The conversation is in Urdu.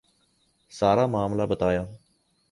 سارا معاملہ بتایا۔